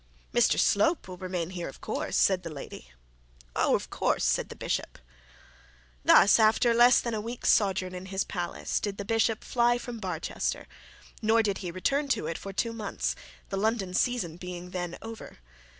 'Mr Slope will remain here, of course,' said the lady. 'Oh, of course,' said the bishop. Thus, after less than a week's sojourn in his palace, did the bishop fly from Barchester; nor did he return to it for two months, the London season being then over.